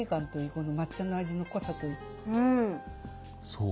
そう。